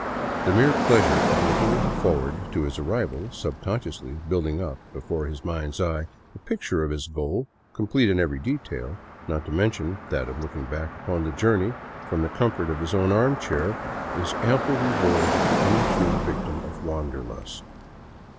The mere pleasure of look ing forward to his arrival, subconsciously building up before his mind's eye a picture of his goal complete in every detail, not to men tion that of looking back upon the journey from the comfort of his own armchair, is ample reward to any true victim of wanderlust.